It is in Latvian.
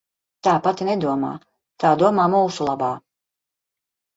Tā pati nedomā, tā domā mūsu labā.